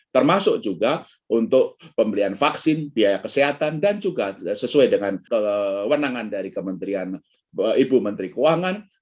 termasuk juga untuk pembelian vaksin biaya kesehatan dan juga sesuai dengan kewenangan dari kementerian ibu menteri keuangan